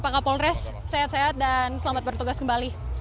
pak kapolres sehat sehat dan selamat bertugas kembali